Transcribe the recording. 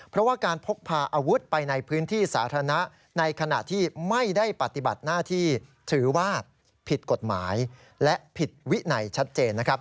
เพราะว่าการพกพาอาวุธไปในพื้นที่สาธารณะในขณะที่ไม่ได้ปฏิบัติหน้าที่ถือว่าผิดกฎหมายและผิดวินัยชัดเจนนะครับ